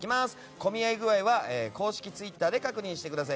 混み合い具合は公式ツイッターで確認してください。